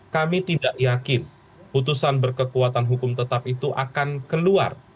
kami tidak yakin putusan berkekuatan hukum tetap itu akan keluar